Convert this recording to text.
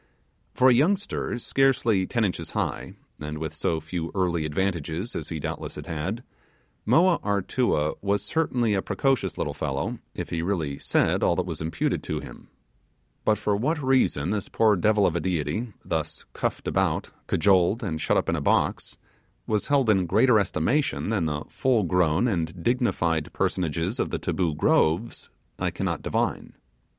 For a youngster scarcely ten inches high, and with so few early advantages as he doubtless had had, Moa Artua was certainly a precocious little fellow if he really said all that was imputed to him; but for what reason this poor devil of a deity, thus cuffed about, cajoled, and shut up in a box, was held in greater estimation than the full grown and dignified personages of the Taboo Groves, I cannot divine.